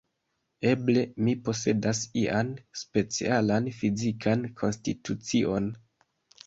Eble, mi posedas ian specialan fizikan konstitucion?